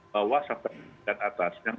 bawah sampai dan atas yang